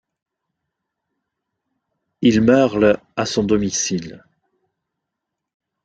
Il meurt le à son domicile.